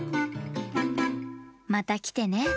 またきてね。